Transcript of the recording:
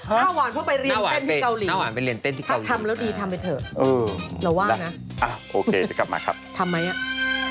หน้าหวานเพราะไปเรียนเต้นที่เกาหลีถ้าทำแล้วดีทำไปเถอะเราว่างนะทำไมกับมาครับ